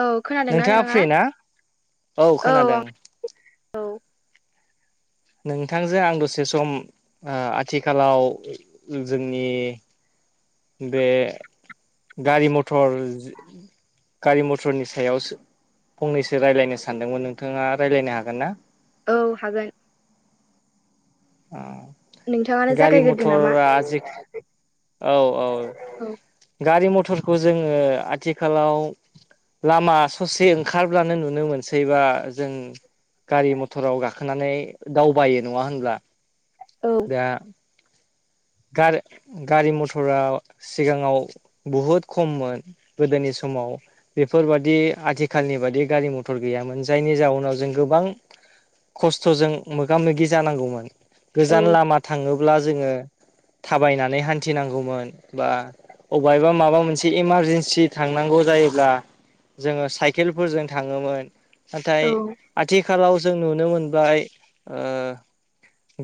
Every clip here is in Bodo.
औ खोनादोंना नोंथाङा नोंङा फ्रि ना औ आं औ नोंथांजों आं दसे सम ओ आथिखालाव जोंनि बे गारि मथर गारि मथरनि सायाव फंनैसो रायज्लायनो सानदोंमोन नोंथाङा रायज्लायनो हागोन ना? औ हागोन। अ नोंथाङानो गारि जागायग्रोदो नामा? मथरा आजि औ-औ औ गारि मथरखौ जोङो आथिखालाव लामा ससे ओंखारब्लानो नुनो मोनसैबा जों गारि मथराव गाखोनानै दावबायो नङा होनब्ला औ दा गारि - गारि मथरा सिगाङाव बुहुद खममोन गोदोनि समाव। बेफोरबादि आथिखालनि बादि गारि मथर गैयामोन जायनि जाउनाव जों गोबां खस्थ'जों मोगा मोगि जानांगौमोन औ गोजान लामा थाङोब्ला जोङो थाबायनानै हान्थिनांगौमोन बा अबहायबा माबा मोनसे इमारजेन्सि थांनांगौ जायोब्ला जोङो साइकेलफोरजों थाङोमोन। औ नाथाय आथिखालाव जों नुनो मोनबाय ओ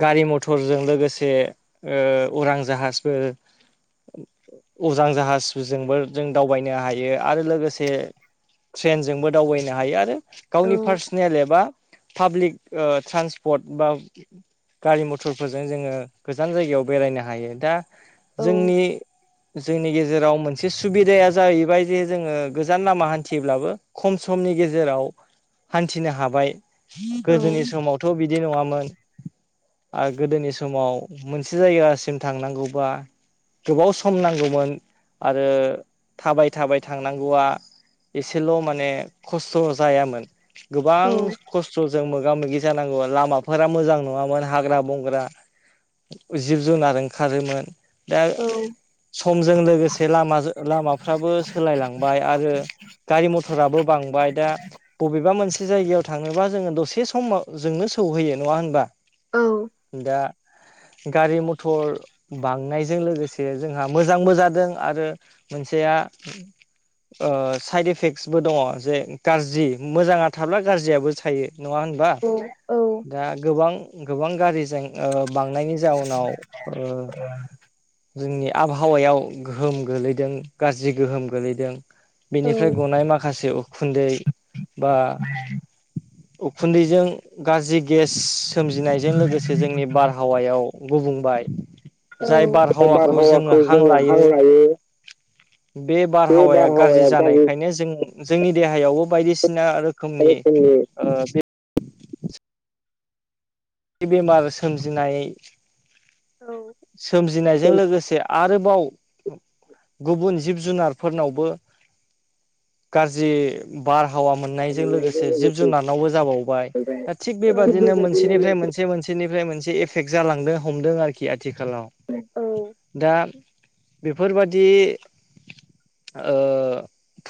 गारि मथरजों लोगोसे ओ उरां जाहाजबो उजां जाहाजजोंबो जों दावबायनो हायो आरो लोगोसे ट्रेनजोंबो दावबायनो हायो आरो गावनि पार्सनेल एबा पाब्लिक ट्रान्सपर्ट बा गारि मथरफोरजों जोङो गोजान जायगायाव बेरायनो हायो। दा जोंनि जोंनि गेजेराव मोनसे सुबिदाया जाहैबाय जे जोङो गोजान लामा हान्थिब्लाबो खम समनि गेजेराव हान्थिनो हाबाय। गोदोनि समावथ' बिदि नङामोन आरो गोदोनि समाव मोनसे जायगासिम थांनांगौबा गोबाव सम नांगौमोन आरो थाबाय-थाबाय थांनांगौआ एसेल' माने खस्थ' जायामोन। औ गोबां खस्थ'जों मोगा मोगि जानांगौ लामाफोरा मोजां नङामोन हाग्रा बंग्रा जिब जुनार ओंखारोमोन। दा औ समजों लोगोसे लामाजों लामाफ्राबो सोलायलांबाय आरो गारि मथराबो बांबाय दा बबेबा मोनसे जायगायाव थांङोबा जोङो दसे समाव जोंनो सौहैयो नङा होनबा। दा गारि मथर बांनायजों लोगोसे जोंहा मोजांबो जादों आरो मोनसेया [inaudible] ओ साइड इफेक्टसबो दङ जे गाज्रि मोजाङा थाब्ला गाज्रियाबो थायो नङा होन बाद औ दा गोबां-गोबां गारिजों बांनायनि जा जाउनाव ओ जोंनि आबहावायाव गोहोम गोलैदों गाज्रि गोहोम गोलैदों। बेनिफ्राय गनाय माखासे उखुन्दै बा उखुन्दैजों गाज्रि गेस सोमजिनायजों लोगोसे जोंनि बार आबहावायाव गुबुंबाय औ जाय बारहावाखौ जोङो हां लायो। बे बारहावाया गाज्रि जानायखायनो जों जोंनि देहायावबो बायदिसिना रोखोमनि ओ बेमार सोमजिनाय सोमजिनायजों लोगोसे आरोबाव गुबुन जिब जुनारफोरनावबो गाज्रि बारहावा मोननायजों लोगोसे जिब जुनारावबो जाबावबाय। थिग दा थिग बेबादिनो बेबायदिनो मोनसेनिफ्राय मोनसे-मोनसे बेनिफ्राय मोनसे एफेक्ट जालांदों हमदों आरोखि आथिखालाव। औ। दा बेफोरबादि। ओ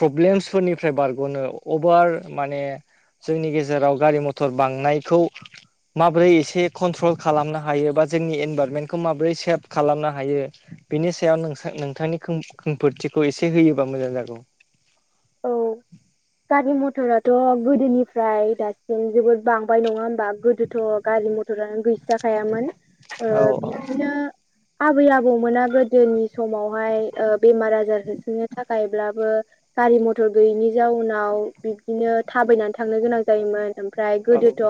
प्रब्लेमसफोरनिफ्राय बारग'नो अभार माने जोंनि गेजेराव गारि मथर बांनायखौ माबोरै एसे कन्ट्रल खालामनो हायो बा जोंनि इनभारमेन्ट खौ माबोरै सेभ खालामनो हायो। बेनि सायाव नोंसा नोंथांनि खोमफोथिखौ एसे होयोबा मोजां जागौ। औ। गारि मथराथ' गोदोनिफ्राय दासिम जोबोद बांबाय नङा होमबा? गोदो थ' गारि मथरानो गैस्राखायामोन। ओ औ बिदिनो आबै आबौमोना गोदोनि समावहाय ओ बेमार आजार होसोनो थाखायब्लाबो। गारि मथर गैयैनि जाउनाव बिब्दिनो थाबायनानै थांनो गोनां जायोमोन। ओमफ्राय औ गोदोथ' ओ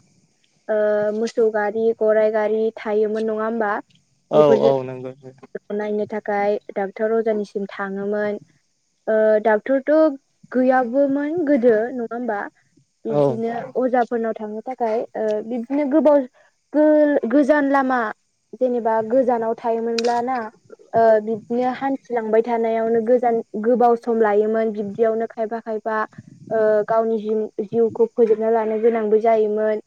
मोसौ गारि, गराइ गारि थायोमोन नङा होमबा? औ औ नंगौ बेफोरजों नायनो थाखाय डाक्टर अजानिसिम थाङोमोन। ओ थुदुक गैयाबोमोन गोदो नङा होमबा? औ बिदिनो अजा फोरनाव थांनो थाखाय ओ बिबदिनो गोबाव गो-गोजान लामा जेनेबा गोजानाव थायोमोनब्ला ना ओ बिदिनो हान्थिलांबाय थानायावनो गोजान गोबाव सम लायो। मोन बेयावनो खायफा खायफा ओ गावनि जिउ जिउखौ फोजोबना लानो गोनांबो जायोमोन।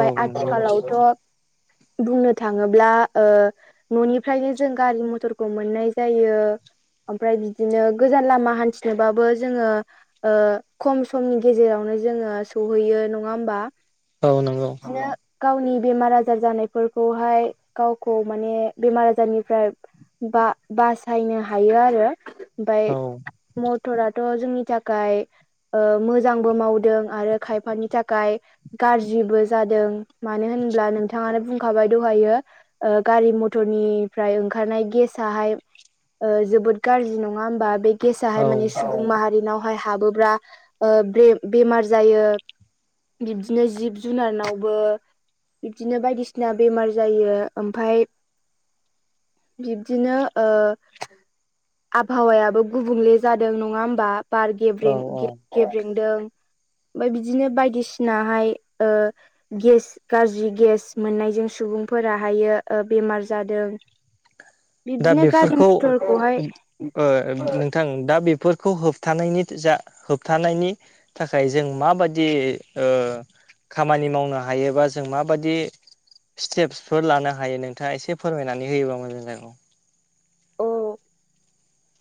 औ नंगौ आथिखालावथ' बुंनो थाङोब्ला ओ न'निफ्रायनो जों गारि मथरखौ मोननाय जायो। ओमफ्राय बिदिनो गोजान लामा हान्थिनोबाबो जोङो ओ खम समनि गेजेरावनो जोङो सौहैयो नङा होमबा? औनांगौ। बिदिनो गावनि बेमार आजार जानायफोरखौहाय गावखौ माने बेमार आजारनिफ्राय बा बासायनो हायो आरो ओमफ्राय औ। मटराथ' जोंनि थाखाय ओ मोजांबो मावदों आरो खायफानि थाखाय गाज्रिबो जादों। मानो होनब्ला नोंथाङानो बुंखाबाय दहायो। ओ गारि मथरनिफ्राय ओंखारनाय गेसआहाय ओ जोबो गाज्रि नङा हबा? बे औ गेसाहाय माने सु सुबुं माहारिनावहाय हाबोब्ला ओ बे बेमार जायो बिब्दिनो जिब जुनारावबो बिबदिनो बायदिसिना बेमार जायो ओमफ्राय बिबदिनो ओ आबहावायाबो गुबुंले जादों नङा होमबा? बार गेब्रे औ औ गेब्रेंदों। ओमफ्राय बिदिनो बायदिसिनाहाय ओ गेस गाज्रि गेस मोननायजों सुबुंफोराहायो ओ बेमार जादों। दा बिदिनो गारि बेफोरखौ मथरखौहाय थां दा बेफोरखौ होबथानायनि जा होबथानायनि थाखाय जों माबादि ओ खामानि मावनो हायोबा जों माबादि स्टेप्सफोर लानो हायो नोंथाङा एसे फोरमायनानै होयोबा मोजां। औ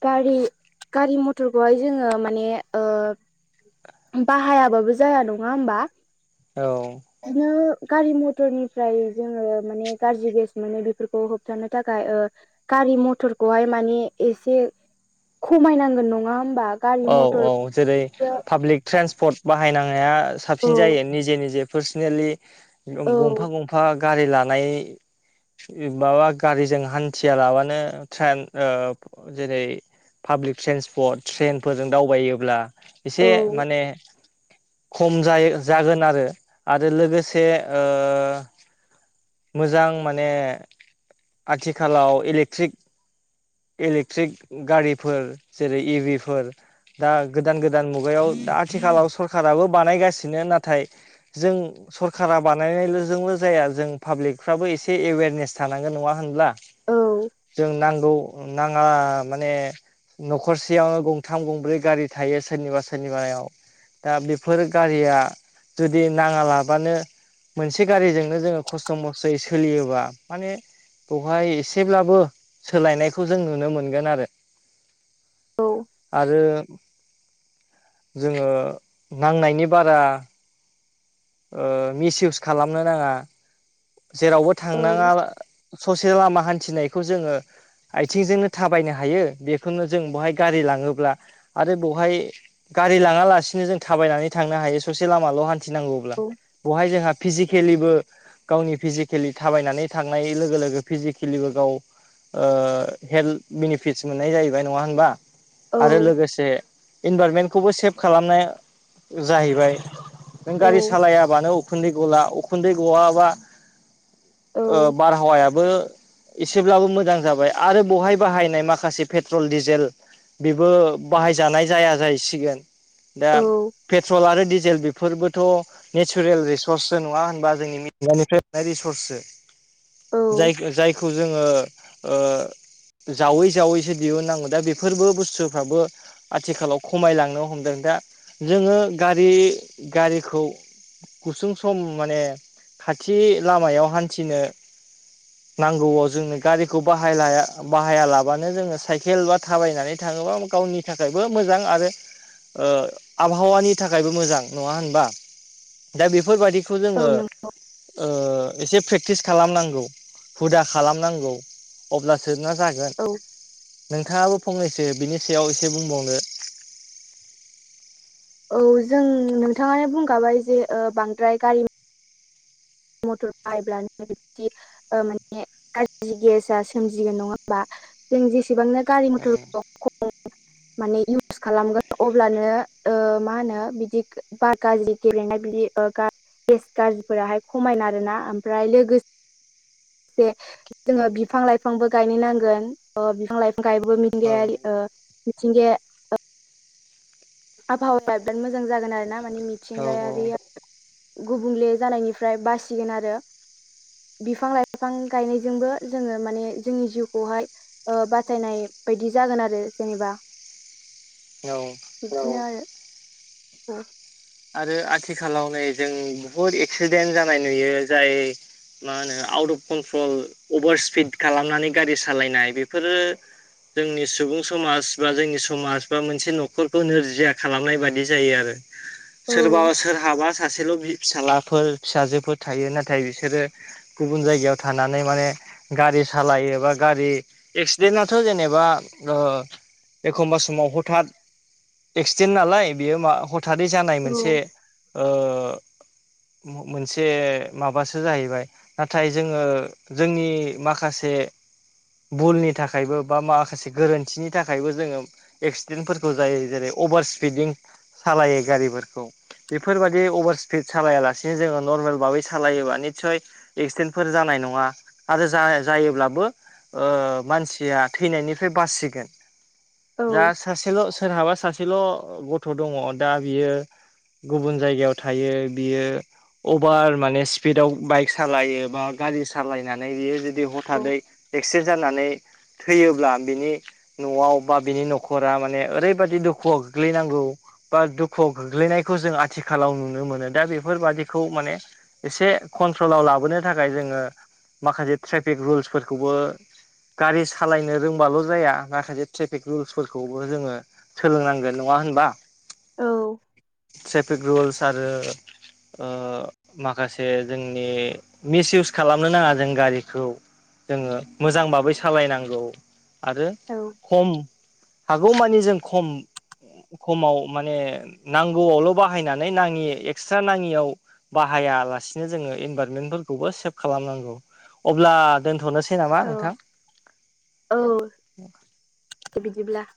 गारि गारि मथरखौहाय जोङो माने ओ बाहायाबाबो जाया नङा होमबा औ बिनो गारि मथरनिफ्राय जोङो माने गाज्रि गेस मोनो बेफोरखौ होबथानो थाखाय ओ गारि मथरखौहाय मानि एसे खमायनांगोन नङा होमबा गारि मथर औ औ जेरै औ पाब्लिक ट्रेन्सपर्ट बाहायनाया औ साबसिन जायो निजे निजे पार्सनेलि औ गंफा गंफा गारि लानाय माबा गारिजों हान्थिया लाबानो ट्रेन जेरै पाब्लिक ट्रेन्सपर्ट ट्रेनफोरजों दावबायोब्ला औ एसे माने खम जायो जागोन आरो। लोगोसे ओ मोजां माने आथिखालाव इलिक्ट्रिक इलिक्ट्रिक गारिफोर जेरै इभिफोर दा गोदान गोदान मुगायाव दा आथिखालाव सरखाराबो बानायगासिनो नाथाय जों सरखारा बानायनायल'जोंल' जाया जों पाब्लिकफ्राबो एसे एवेरनेस थानांगोन नङा होनब्ला जों नांगौ नाङा माने न'खरसेयावनो गंथाम गंब्रै गारि थायो सोरनिबा सोरनिबायाव दा बेफोर गारिया जुदि नाङा लाबानो मोनसे गारिजोंनो जोङो खस्थ' मस्थ'यै सोलियोबा माने बेवहाय एसेब्लाबो सोलायनायखौ जों नुनो मोनगोन आरो औ आरो जोङो नांनायनि बारा ओ मिसइउस खालामनो नाङा जेरावबो थांनाङा औ ससे लामा हान्थिनायखौ जोङो आथिंजोंनो थाबायनो हायो बेखौनो जों बहाय गारि लाङोब्ला आरो बहाय गारि लाङा लासिनो जों थाबायनानै थांनो हायो ससे लामाल' हान्थिनांगौब्ला औ बहाय जोंहा फिजिकेलिबो गावनि फिजिकेलि थाबायनानै थांनाय लोगो लोगो फिजिकेलिबो गाव ओ हेल्थ बेनिफिटस मोननाय जाहैबाय नङा होनबा औ आरो लोगोसे इनभारमेन्टखौबो सेफ खालामनाय जाहैबाय नों गारि सो बायाबानो उखुन्दै गला उखुन्दै गआबा ओ औ बारहावायाबो एसेब्लाबो मोजां जाबाय आरो बहाय बाहायनाय माखासे पेट्रल डिजेल बेबो बाहायजानाय जाया जाहैसिगोन दा औ पेट्रल आरो डिजेल बेफोरबोथ' नेचुरेल रिसर्सो नङा होनबा जोंनि मिथिंगानिफ्राय मोननाय रिसर्सो औ जायखो जायखौ जोङो ओ जावै जावैसो दिहुननांगौ दा बेफोरबो बुस्थुफ्राबो आथिखालाव खमायलांनो हमदों दा जोङो गारि गारिखौ गुसुं सम माने खाथि लामायाव हान्थिनो [inaudible] नांगौआव जोंनो गारिखौ बाहाया लाबानो जोङो साइकेल बा थाबायनानै थाङोबा गावनि थाखायबो मोजां आरो ओ आबहावानि थाखायबो मोजां नङा होनबा? दा बेफोरबादिखौ औ जोङो नों ओ एसे प्रेक्टिस खालामनांगौ हुदा खालामनांगौ अब्लासो ना जाग गोन औ नोंथाङाबो फंनैसो बिनि सायाव इसे बुंबावनो औ जों नोंथाङानो बुंखाबाय जे ओ बांद्राय गारि मटर बाहायब्लानो बिदि ओ माने गाज्रि गेसा सोमजिगोन नङा होमबा जों जेसेबांनो गारि मथर खम [unintelligible] माने इउस खालामगोन अब्लानो ओ मा होनो बिदि बार गाज्रि गेलेनाय बिदि ओ गा गेस गाज्रिफोराहाय खमायो आरोना ओमफ्राय लोगो से जोङो बिफां लाइफांबो गायनो नांगोन ओ बिफां लाइफां गायबो [unintelligible] ओ उम मिथिंगाया आबहावाया बिराद मोजां जागोन आरो ना माने औ मिथिंगायारिया गुबुंले जानायनिफ्राय बासिगोन आरो बिफां लाइफां गायनायजोंबो जोङो माने जोंनि जिउखौहाय ओ बासायनाय बायदि जागोन आरो जेनेबा औ औ बिदिनो आरो आरो आथिखालाव नै जों बुहुद एक्सिडेन्ट जानाय नुयो जाय मा होनो out of control over speed खालामनानै गारि सालायनाय बेफोरो जोंनि सुबुं समाज बा जोंनि समाज बा मोनसे न'खरखौ नोरजिया खालामनाय बादि जायो आरो औ सोरबा सोरहाबा सासेल' फिसालाफोर फिसाजोफोर थायो नाथाय बिसोरो गुबुन जायगायाव थानानै माने गारि सालायो बा गारि एक्सिडेन्टआथ' जेनेबा ओ एखमबा समाव हथाद एक्सिडेन्ट नालाय बेयो मा हथादयै जानाय औ मोनसे ओ मोनसे माबासो जाहैबाय नाथाय जोङो जोंनि माखासे भुलनि थाखायबो बा माखासे गोरोन्थिनि थाखायबो जोङो एक्सिडेन्टफोरखौ जायो जेरै अभार स्पिडिं सालायो गारिफोरखौ बेफोर बायदि अभार स्पिड सालायालासिनो जोङो नरमेल भाबै सालायोबा निस्सय एक्सिडेन्टफोर जानाय नङा आरो जायोब्लाबो ओ मानसिया थैनायनिफ्राय बासिगोन। औ दा सासेल' सोरहाबा सासेल' गथ' दङ दा बियो गुबुन जायगायाव थायो बियो अभार माने स्पिडाव बाइक सालायो बा गारि सालायनानै बियो जु दि हथादै एक्सिडेन्ट जानानै थैयोब्ला बिनि न'आव बा बिनि न'खरा माने ओरैबादि दुखुआव गोग्लैनांगौ बा दुखुआव गोग्लैनायखौ जों आथिखालाव नुनो मोनो दा बेफोरबादिखौ माने एसे कन्ट्रलाव लाबोनो थाखाय जोङो माखासे ट्रेफिक रुल्सफोरखौबो गारि सालायनो रोंबाल' जाया माखासे ट्रेफिक रुल्सफोरखौबो जोङो सोलोंनांगोन नङा होनबा? औ ट्रेफिक रुल्स आरो ओ माखासे जोंनि मिस इउस खालामनो नाङा जों गारिखौ जोङो मोजां भाबै सालायनांगौ आरो औ खम हागौमानि जों खम खमाव माने नांगौआवल' बाहायनानै नाङि एक्सट्रा नाङियाव बाहायालासिनो जोङो इनभाररमेन्टफोरखौबो सेभ खालामनांगौ अब्ला दोनथ'नोसै सै नामा नोंथां? औ दे बिदिब्ला।